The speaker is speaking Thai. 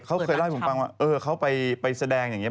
เขาเคยเล่าให้ผมฟังว่าเออเขาไปแสดงอย่างนี้